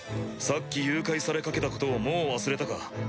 さっき誘拐されかけたことをもう忘れたか？